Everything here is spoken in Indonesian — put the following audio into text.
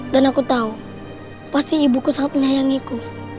dan aku tahu pasti ibuku sangat menyayangiku